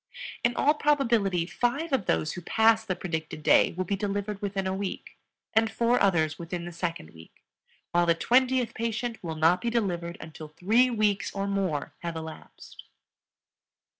In all probability five of those who pass the predicted day will be delivered within a week and four others within the second week, while the twentieth patient will not be delivered until three weeks or more have elapsed.